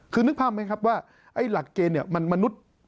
คือนึกภาพไหมครับว่าไอ้หลักเกณฑ์เนี่ยมันมนุษย์